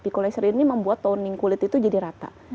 picolaser ini membuat toning kulit itu jadi rata